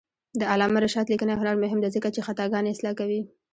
د علامه رشاد لیکنی هنر مهم دی ځکه چې خطاګانې اصلاح کوي.